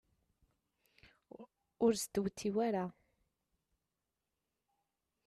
Ur stewtiw ara.